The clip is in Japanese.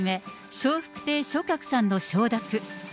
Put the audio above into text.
笑福亭松鶴さんの承諾。